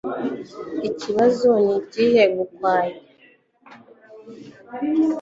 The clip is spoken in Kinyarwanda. Ikibazo nikihe Gakwaya